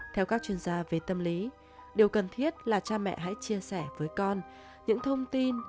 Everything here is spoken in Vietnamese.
theo các chuyên gia về tâm lý điều cần thiết là cha mẹ hãy chia sẻ với con những thông tin